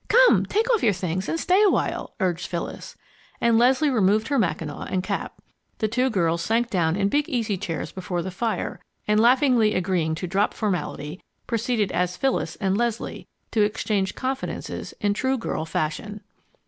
"Come, take off your things and stay awhile!" urged Phyllis, and Leslie removed her mackinaw and cap. The two girls sank down in big easy chairs before the fire and laughingly agreeing to drop formality, proceeded as "Phyllis" and "Leslie," to exchange confidences in true girl fashion.